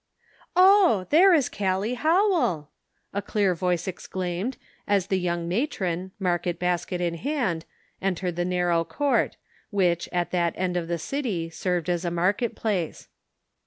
f Oh, there is Callie Howell !" a clear voice exclaimed, as the young matron, market basket in hand, entered the narrow court, which, at that end of the city, served as a market place.